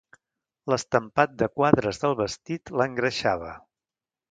L'estampat de quadres del vestit l'engreixava.